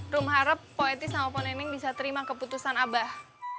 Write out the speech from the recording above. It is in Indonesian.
rumah harap poeti sama poneneng bisa terima keputusan abah